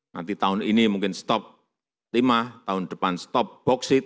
nanti tahun ini mungkin stop lima tahun depan stop boksit